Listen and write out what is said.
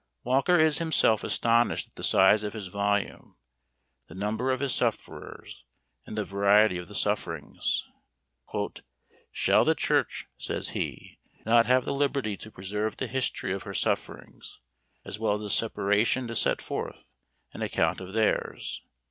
Walker is himself astonished at the size of his volume, the number of his sufferers, and the variety of the sufferings. "Shall the church," says he, "not have the liberty to preserve the history of her sufferings, as well as the separation to set forth an account of theirs?